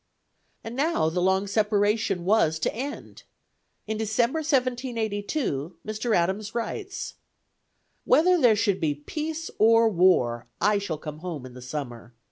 And now the long separation was to end. In December, 1782, Mr. Adams writes: "Whether there should be peace or war, I shall come home in the summer.